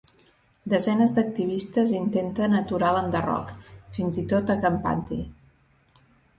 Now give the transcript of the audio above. Desenes d’activistes intenten aturar l’enderroc, fins i tot acampant-hi.